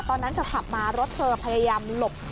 ตอนนั้นเธอขับมารถเธอพยายามหลบ